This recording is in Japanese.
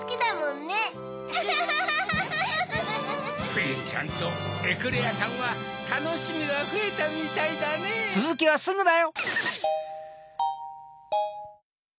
・プリンちゃんとエクレアさんはたのしみがふえたみたいだねぇ・みえてきたよ。